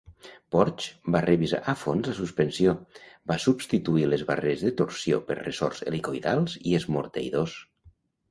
Porsche va revisar a fons la suspensió, va substituir les barres de torsió per ressorts helicoïdals i esmorteïdors.